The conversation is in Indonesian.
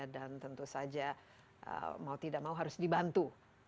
dan tentu saja mau tidak mau harus di bantu